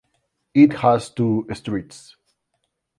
It has two streets.